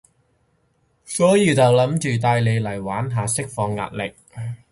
所以就諗住帶你嚟玩下，釋放壓力